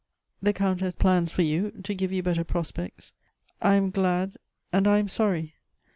The .Count has plans for you, to give you better prospects — I am glad, and I am sorry.